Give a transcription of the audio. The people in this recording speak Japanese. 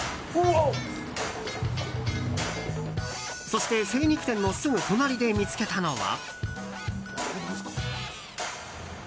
そして、精肉店のすぐ隣で見つけたのは。